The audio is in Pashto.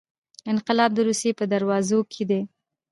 انقلاب د روسیې په دروازو کې دی.